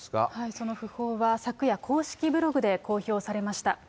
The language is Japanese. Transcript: そのふ報は、昨夜、公式ブログで公表されました。